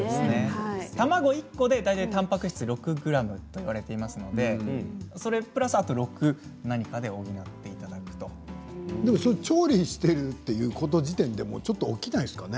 卵１個で大体たんぱく質６ｇといわれていますのでそれプラス何か６補っていくと。調理しているという時点でちょっと起きないですかね。